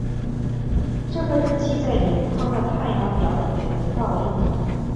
这个日期在纽康的太阳表也得到应用。